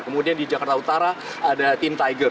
kemudian di jakarta utara ada team tiger